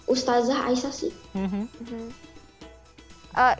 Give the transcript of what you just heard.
ustazah aisyah sih